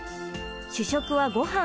主食はご飯。